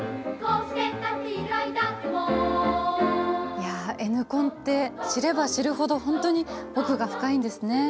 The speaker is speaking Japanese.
いやＮコンって知れば知るほどほんとに奥が深いんですね。